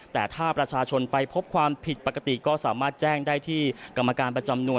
แต่ถ้าประชาชนไปพบความผิดปกติก็สามารถแจ้งได้ที่กรรมการประจำหน่วย